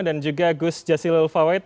dan juga gus jazil elfawait